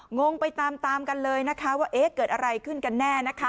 งงไปตามกันเลยแบบเกิดอะไรขึ้นกันแน่